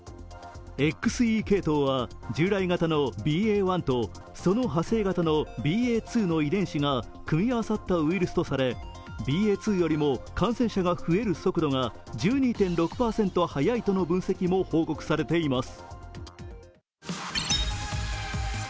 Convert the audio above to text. ＸＥ系統は従来型のＢＡ．１とその派生型のＢＡ．２の遺伝子が組み合わさった遺伝子とされＢＡ．２よりも感染者が増える速度が１２．６％速いという分析も報告されています。